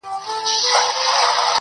او احساسات يې خوځېږي ډېر,